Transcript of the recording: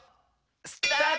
スタート！